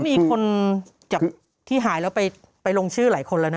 ก็มีคนที่หายไปลงชื่อหลายคนแล้วนะ